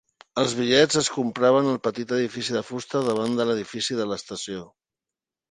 Els bitllets es compraven al petit edifici de fusta davant l'edifici de l'estació.